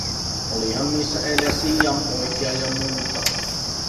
Olihan niissä eilen siianpoikia ja muuta.